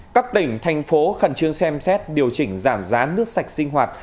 các tỉnh thành phố khẩn trương xem xét điều chỉnh giảm giá nước sạch sinh hoạt